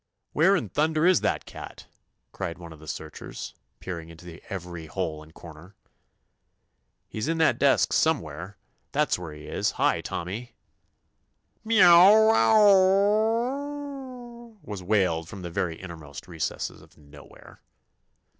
"Where in thunder is that cat?" cried one of the searchers, peering into every hole and corner. "He's in that desk somewhere! That's where he is. Hi, Tommy!" "Me ro wow wow w — o w!" was wailed from the very innermost recesses of nowhere.